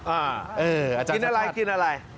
อ่าอาจารย์ชะชาติคินอะไร